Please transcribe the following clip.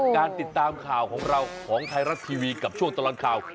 การติดตามข่าวของเราของไทยรัฐทีวีกับช่วงตลอดข่าว